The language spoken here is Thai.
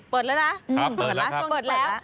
เปิดละนะเปิดแล้วของนี้เปิดละ